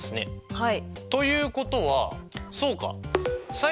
はい。